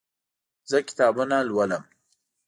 زه کتابونه لولم